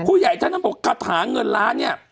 ผู้ใหญ่ท่านต้องบอกคาถาเงินล้านเนี่ย